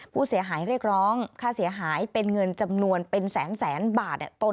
ผู้เสียหายเรียกร้องค่าเสียหายเป็นเงินจำนวนเป็นแสนบาท